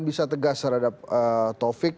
bisa tegas terhadap taufik